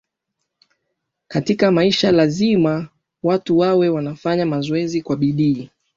katika maisha lazima watu wawe wanafanya mazoezi kwa bidii